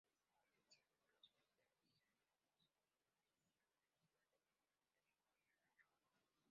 Estaba licenciado en filosofía y teología en la Pontificia Universidad Gregoriana, Roma.